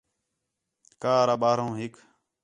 کار آ ٻاہروں ہِک